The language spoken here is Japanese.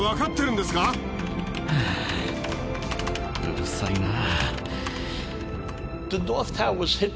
うるさいな。